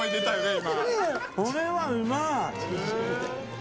今。